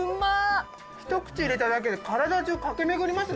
「ひと口入れただけで体中駆け巡りますね